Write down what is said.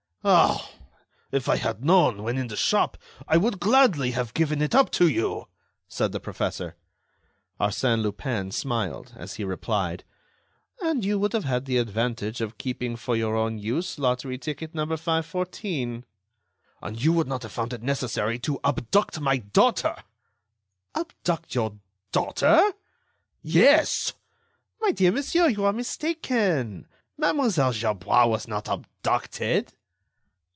"Ah! if I had known, when in the shop, I would gladly have given it up to you," said the professor. Arsène Lupin smiled, as he replied: "And you would have had the advantage of keeping for your own use lottery ticket number 514." "And you would not have found it necessary to abduct my daughter." "Abduct your daughter?" "Yes." "My dear monsieur, you are mistaken. Mlle. Gerbois was not abducted."